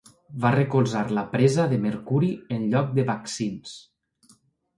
Va recolzar la presa de mercuri en lloc de vaccins.